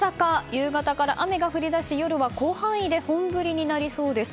夕方から雨が降り出し夜は広範囲で本降りになりそうです。